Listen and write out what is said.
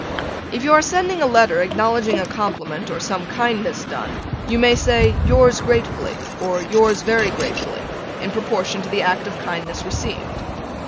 If you are sending a letter acknowledging a compliment or some kindness done you may say, Yours gratefully, or Yours very gratefully, in proportion to the act of kindness received.